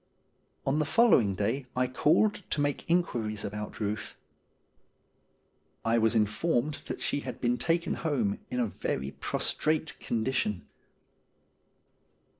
On the following day J RUTH 155 called to make inquiries about Euth. I was informed that she had been taken home in a very prostrate condition.